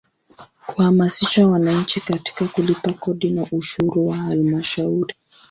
Kuhamasisha wananchi katika kulipa kodi na ushuru wa Halmashauri.